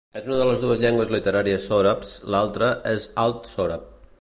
És una de les dues llengües literàries sòrabs, l'altra és alt sòrab.